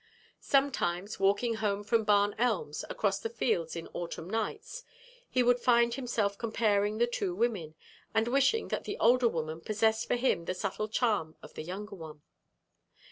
Sometimes, walking home from Barn Elms, across the fields in autumn nights, he would find himself comparing the two women, and wishing that the older woman possessed for him the subtle charm of the younger one.